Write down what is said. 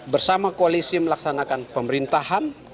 bersama koalisi melaksanakan pemerintahan